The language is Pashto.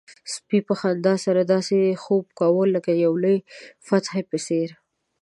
سپي په خندا سره داسې خوب کاوه لکه د یو لوی فاتح په څېر.